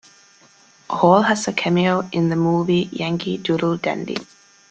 Hall has a cameo in the movie Yankee Doodle Dandy.